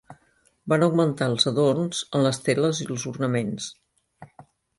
Van augmentar els adorns en les teles i els ornaments.